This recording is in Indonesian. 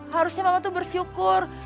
harusnya mama tuh bersyukur